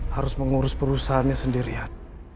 harus mengurus perusahaannya sendirian